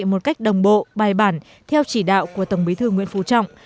một cách đồng bộ bài bản theo chỉ đạo của tổng bí thư nguyễn phú trọng